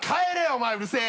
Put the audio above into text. お前うるせぇ！